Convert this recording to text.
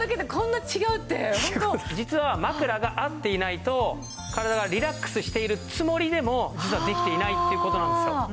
実は枕が合っていないと体がリラックスしているつもりでも実はできていないっていう事なんですよ。